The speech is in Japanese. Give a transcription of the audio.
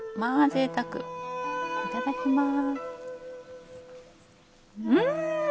いただきます。